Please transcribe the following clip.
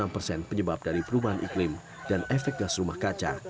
sembilan puluh enam persen penyebab dari perubahan iklim dan efek gas rumah kaca